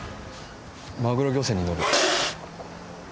マグロ漁船に乗る。